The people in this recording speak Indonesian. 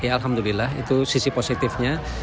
alhamdulillah itu sisi positifnya